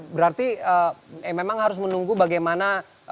berarti memang harus menunggu bagaimana